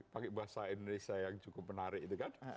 pakai bahasa indonesia yang cukup menarik itu kan